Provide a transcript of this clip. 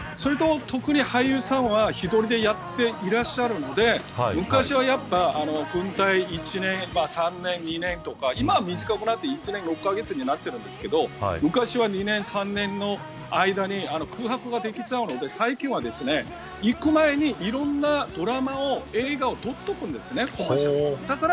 特に俳優さんは１人でやっていらっしゃるので昔はやっぱり軍隊に１年、２年、３年とか今は短くなって１年６カ月ですが昔は２年３年の間に空白ができてしまうので最近は行く前にいろんなドラマを映画を撮っておくんですね。